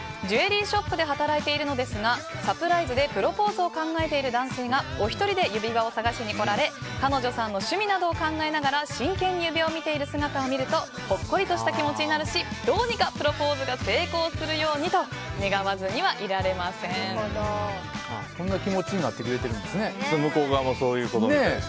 ジュエリーショップで働いているのですがサプライズでプロポーズを考えている男性がお一人で指輪を探しに来られ彼女さんの趣味などを考えながら真剣に指輪を見ている姿を見るとほっこりとした気持ちになるしどうにかプロポーズが成功するようにと願わずにはいられません。